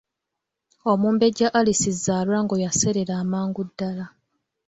Omumbejja Alice Zzaalwango yaseerera amangu ddala.